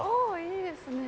いいですね。